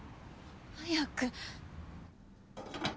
早く。